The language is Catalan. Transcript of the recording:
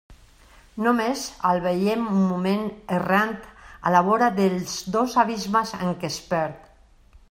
Només el veiem un moment errant a la vora dels dos abismes en què es perd.